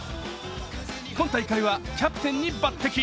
今大会はキャプテンに抜てき。